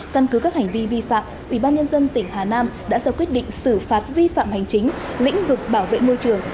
căn cứ các hành vi vi phạm ubnd tỉnh hà nam đã sau quyết định xử phạt vi phạm hành chính lĩnh vực bảo vệ môi trường